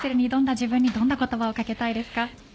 自分にどんな言葉をかけたいですか？